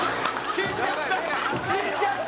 死んじゃった！